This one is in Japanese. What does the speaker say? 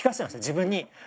自分に。